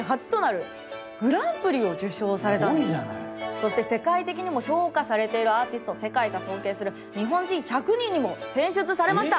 そして世界的にも評価されているアーティスト「世界が尊敬する日本人１００人」にも選出されました！